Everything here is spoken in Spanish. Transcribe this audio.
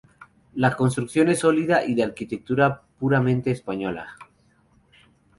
La construcción es sólida y de arquitectura puramente española.